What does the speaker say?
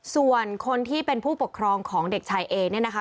ส่วนคนที่เป็นผู้ปกครองของเด็กชายเอเนี่ยนะคะ